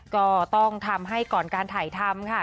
ก็ต้องทำให้ก่อนการถ่ายทำค่ะ